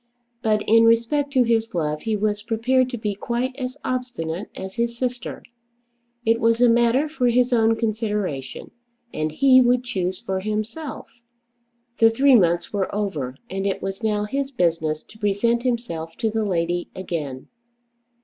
But in respect to his love he was prepared to be quite as obstinate as his sister. It was a matter for his own consideration, and he would choose for himself. The three months were over, and it was now his business to present himself to the lady again.